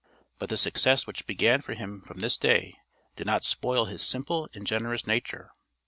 But the success which began for him from this day did not spoil his simple and generous nature.